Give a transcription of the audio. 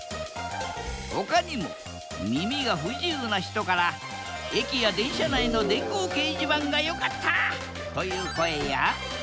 ほかにも耳が不自由な人から駅や電車内の電光掲示板が良かったという声や。